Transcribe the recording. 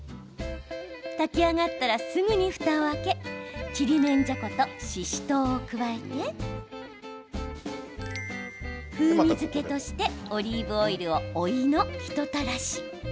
炊き上がったらすぐにふたを開けちりめんじゃことししとうを加えて風味づけとしてオリーブオイルを追いのひと垂らし。